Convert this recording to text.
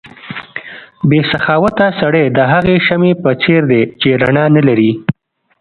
بې سخاوته سړی د هغې شمعې په څېر دی چې رڼا نه لري.